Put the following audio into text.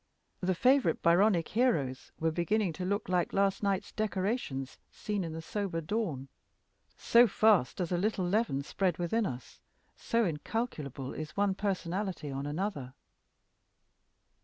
The favorite Byronic heroes were beginning to look like last night's decorations seen in the sober dawn. So fast does a little leaven spread within us so incalculable is one personality on another.